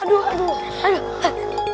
aduh aduh aduh